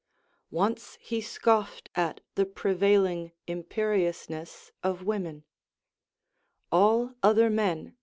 Once he scoff"ed at the prevailing imperiousness of women : All other men.